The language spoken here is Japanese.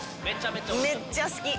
めっちゃ好き！